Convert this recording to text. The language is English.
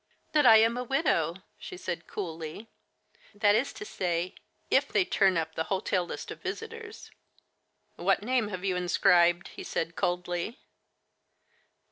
" That I am a widow," she said coolly ;" that is to say, if they turn up the hotel list of visitors." " What name have you inscribed ?" he said coldly.